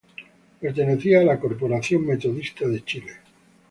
Pertenecía a la Corporación Metodista de Chile.